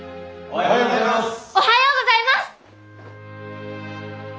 おはようございます！